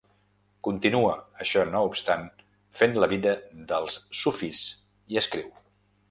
Continua, això no obstant, fent la vida dels sufís i escriu.